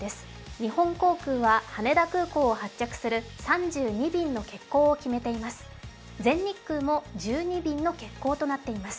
日本航空は羽田空港を発着する３２便の欠航を決めています。